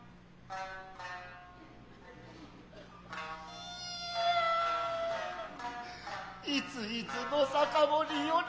いやいついつの酒盛より。